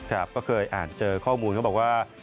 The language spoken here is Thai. ก็เคยอ่านเจอข้อมูลเค้าบอกว่า